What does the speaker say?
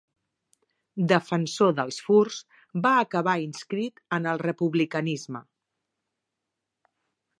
Defensor dels furs, va acabar inscrit en el republicanisme.